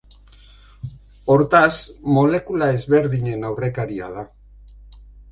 Hortaz, molekula ezberdinen aurrekaria da.